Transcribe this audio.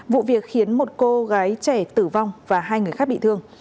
vụ việc khiến một cô gái trẻ tử vong và hai người khác bị thương